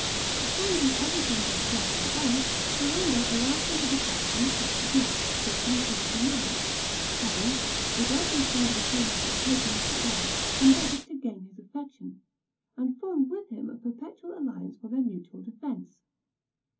But finding everything go quietly on, Ferrando allowed him to depart on the sixth of March, 1479, having, with every kind of attention and token of regard, endeavored to gain his affection, and formed with him a perpetual alliance for their mutual defense.